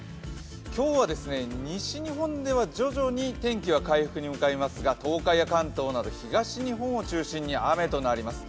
今日は西日本では徐々に天気は回復に向かいますが、東海や関東など東日本を中心に雨となります。